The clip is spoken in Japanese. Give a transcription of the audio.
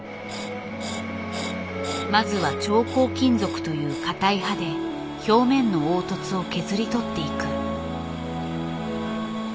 まずは超硬金属という硬い刃で表面の凹凸を削り取っていく。